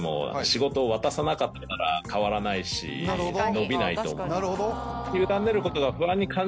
伸びないと思う。